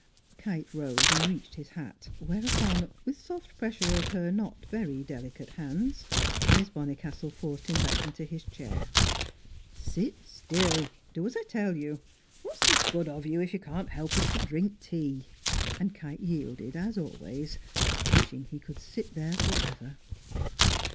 Kite rose, and reached his hat. Whereupon, with soft pressure of her not very delicate hands, Miss Bonnicastle forced him back into his chair. "Sit still. Do as I tell you. What's the good of you if you can't help us to drink tea?" And Kite yielded, as always, wishing he could sit there for ever.